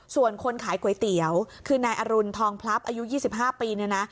ส่วนคนขายก๋วยเตี๋ยวคือนายอรุณทองพลับอายุ๒๕ปีเนี่ยนะ